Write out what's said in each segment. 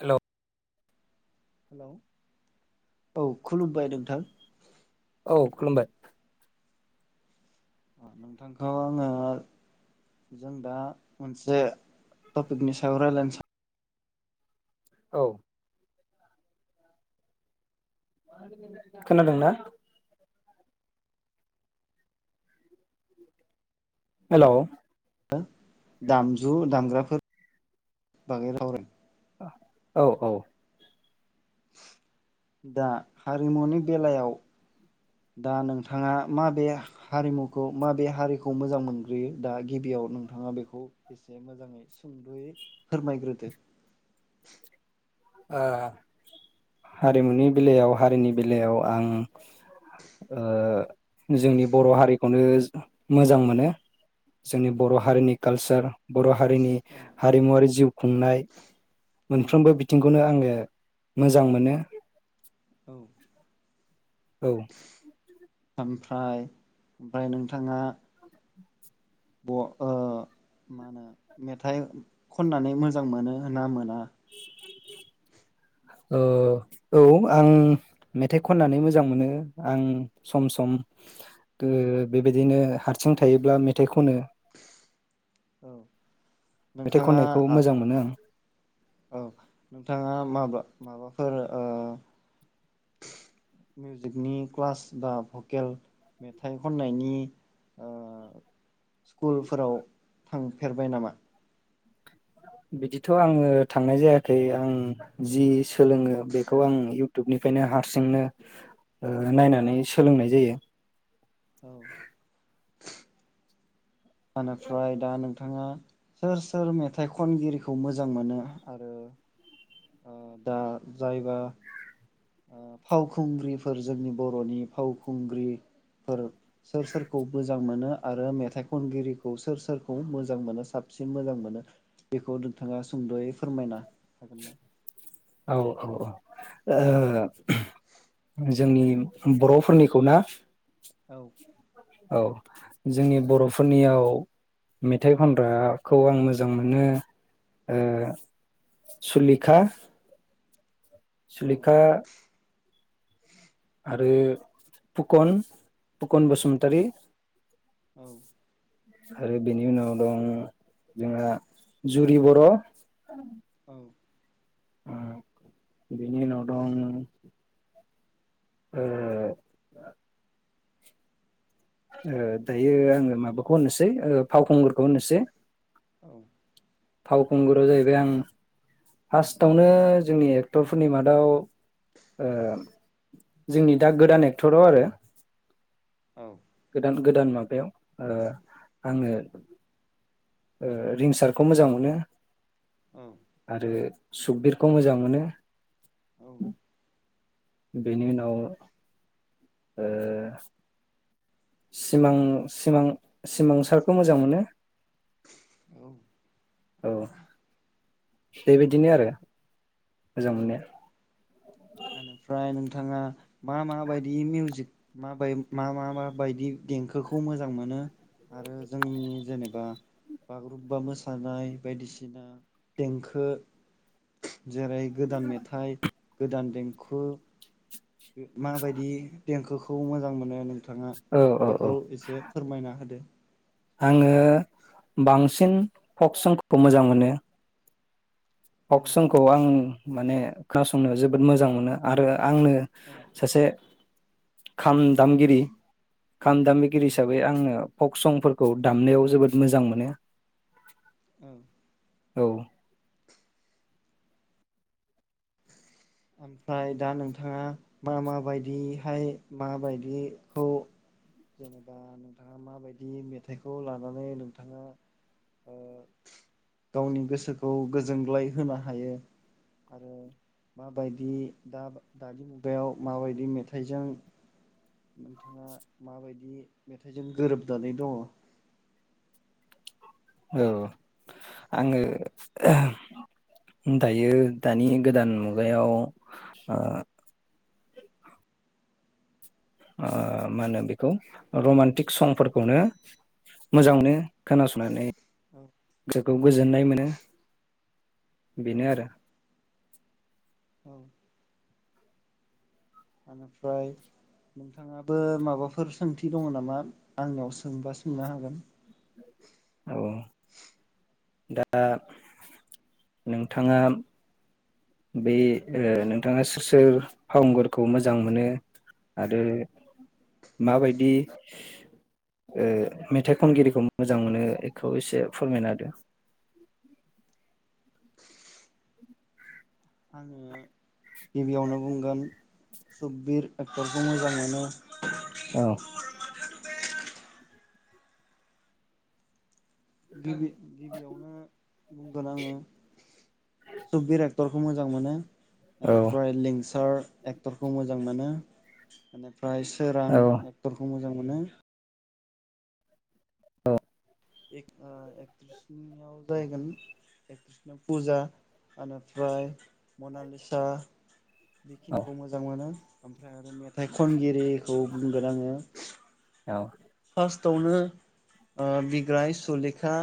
Hello औ खुलुमबाय नोंथां। औ खुलुमबाय। नोंथांखौ आङो जों दा मोनसे टपिकनि सायाव रायलायनो औ खोनादोंना? हेलौ दामजु दामग्राफोर बागै सावराय औ औ दा हारिमुनि बेलायाव दा नोंथाङा माबे हारिमुखौ माबे हारिखौ मोजां मोनग्रोयो दा गिबियाव नोंथांङा बेखौ एसे मोजांङै सुंदयै फोरमायग्रोदो? आ हारिमुनि बेलायाव हारिनि बेलायाव आं ओ जोंनि बर हारिखौनो मोजां मोनो। जोंनि बर औ हारिनि कालचार बर हारिनि औ हारिमुवारि जिउ खुंनाय औ औ मोनफ्रोमबो बि नो आंङो मोजां मोनो। औ औ ओमफ्राय ओमफ्राय नोंथांङा [inaudible] ब ओ मा होनो मेथाइ खननानै मोजां मोनो ना मोना? [inaudible] ओ औ आं मेथाइ खननानै मोजां मोनो आं सम सम ओ बेबायदिनो हारसिं थायोब्ला मेथाइ खनो। औ मेथाइ नोंथाङा खननायखौ आ मोजां मोनो आं। औ नोंथांङा माबा माबाफोर ओ मिउजिकनि क्लास बा भकेल मेथाइ खननायनि ओ स्कुलफोराव थांफेरबाय नामा? बिदिथ आंङो थांनाय जायाखै आं जि सोलोङो बेखौ आं इउटुबनिफ्रायनो हारसिंनो ओ नायनानै सोलोंनाय जायो। औ इनिफ्राय दा नोंथांङा सोर सोर मेथाइ खनगिरिखौ मोजां मोनो? आरो दा जायबा फावखुंग्रिफोर जोंनि बरनि फावखुंग्रिफोर सोर सोरखौ मोजां मोनो आरो मेथाइ खनगिरिखौ सोर सोरखौ मोजां मोनो साबसिन मोजां मोनो बेखौ नोंथाङा सुंदयै फोरमायना हागोन ना? औ औ औ ओ जोंनि बरफोरनिखौ ना? औ औ जोंनि बरफोरनियाव मेथाइ खनग्राखौ आं मोजां मोनो ओ सुलिखा, औ सुलिखा, आरो फुकन, फुकन औ बसुमतारी, औ आरो बेनि उनाव दं जोंहा जुरि बर, [inaudible] उम बिनि उनाव दं ओह। दायो आङो माबाखौ होनोसै फावखुंगुरखौ होननोसै औ फावखुंगुरयाव जाहैबाय आं फार्स्टआवनो जोंनि एक्टरफोरनि मादाव ओ जोंनि दा गोदान एक्टराव आरो औ। गोदान गोदान माबायाव ओ आङो ओ रिंसार्टखौ मोजां मोनो। औ आरो सुकबिरखौ मोजां मोनो। औ [unintelligible] [inaudible] बेनि उनाव ओ सिमां सिमां। सिमां सारखौ मोजां मोनो औ औ। बेबायदिनो आरो। मोजां औ मोननाया आनोफ्राय थांङा मा मा बायदि मिउजिक मा बाय मा मा बायदि देंखोखौ मोजां मोनो आरो जोंनि जेनेबा बागुरुम्बा मोसानाय बायदिसिना देंखो जेरै गोदान मेथाइ गोदान दें खो मा बायदि देंखोखो खौ मोजां मोनो। थाङा औ औ औ बेखौ एसे फोरमायना होदो आङो बांसिन फक संखौ मोजां मोनो। औ फक संखौ आं माने खोनासंनो जोबोद मोजां मोनो आरो आंनो औ सासे खाम दामगिरि। खाम औ दामबिगिरि हिसाबै आङो फक संफोरखौ दामनायाव जोबोद मोजां मोनो। औ। औ। ओमफ्राय दा नोंथाङा मा माबायदिहाय माबायदिखौ जेनेबा नोंथाङा माबायदि मेथाइखौ लानानै नोंथाङा ओ गावनि गोसोखौ गोजोनग्लाय होनो हायो आरो माबायदि दाब दानि मुगायाव माबायदि मेथाइजों नोंथाङा माबायदि मेथाइजों गोरोबनानै दङ? औ आङो दायो दानि गोदान मुगायाव ओ ओ मा होनो बेखौ रमान्टिक संफोरखौनो मोजां मोनो खोनासंनानै औ गोसोखौ औ गोजोननाय मोनो। औ बिनो आरो औ ओनिफ्राय नोंथाङाबो माबाफोर सोंथि दङ नामा आंनियाव सोंबा सोंनो हागोन। औ दा नोंथाङा बे ओ नोंथाङा सोर सोर फावुंगुरखौ मोजां मोनो आरो माबायदि ओ मेथाइ खनगिरिखौ मोजां मोनो एखौ एसे फोरमायना होदो। आङो गिबियावनो बुंगोन सुगबिर एक्टरखौ मोजां मोनो। औ [unintelligible] [unintelligible] गिबियावनो बुंगोन आङो सुगबिर एक्टर खौ मोजां मोनो। औ एनिफ्राय लिंसार एक टरखौ मोजां मोनो इनि फ्राय सोरां औ एक्टरखौ मोजां मोनो औ एक ओ एक्ट्रिसनियाव जाहगोन एकट्रिसनियाव पुजा एनिफ्राय मनालिसा। बेखिनिखौ मोजां मोनो। ओमफ्राय आरो मेथाइ खनगिरिखौ बुंगोन आङो औ औ फार्स्टआवनो ओ बिग्राय सुलेखा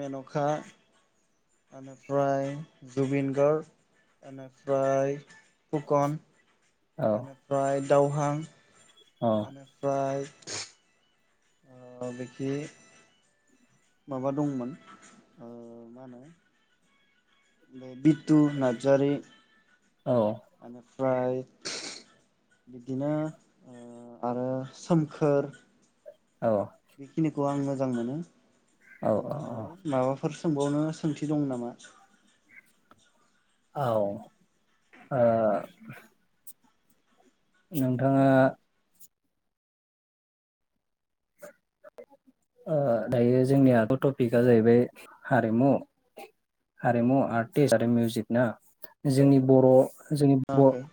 मेनखा ओनेफ्राय जुबिन गार्ग ओनेफ्राय फुकन। बेनिफ्राय- दावहां औ ओमफ्राय- ओ बेखि माबा दंमोन ओ मा होनो- ओ बिथु नार्जारि। औ ओमफ्राय बिदिनो ओ आरो सोमखोर। बेखिनि खौ आं मोजां मोनो। औ बेनिफ्राय औ माबाफोर सोंबावनो सोंथि दं नामा? औ ओ नोंथाङा ओ दायो जोंनि आ टपिकआ जाहैबाय हारिमु हारिमु आर्टिस्ट आरो मिउजिक ना जोंनि बर' जोंनि बर' सोङाखै?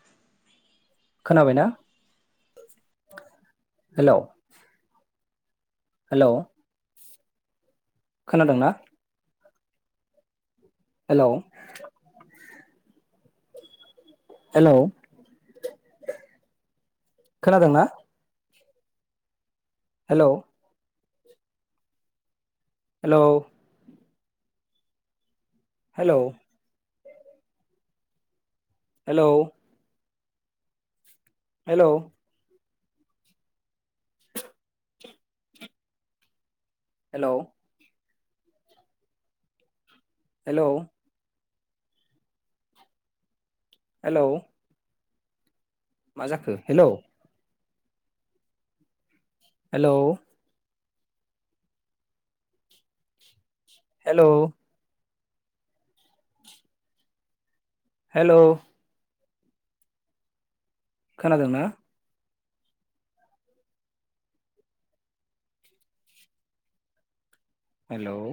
खोनाबायना हेल' हेल' खोनादोंना? हेल' हेल' खोनादोंना? Hello hello hello hello hello hello hello hello मा जाखो हेलौ हेलौ हेलौ हेल' खोनादोंना? हेलौ